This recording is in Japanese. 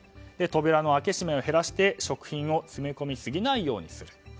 扉の開け閉めを減らして、食品を詰め込みすぎないようにする。